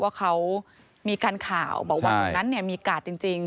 ว่าเขามีการข่าวบอกว่าเหมือนกันนั้นมีกาดจริง